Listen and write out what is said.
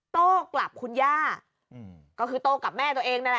โต้กลับคุณย่าก็คือโต้กับแม่ตัวเองนั่นแหละ